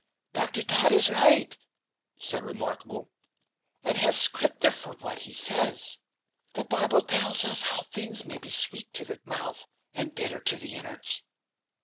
Dr. Todd is right," said Remarkable, "and has Scripter for what he says. The Bible tells us how things may be sweet to the mouth, and bitter to the inwards."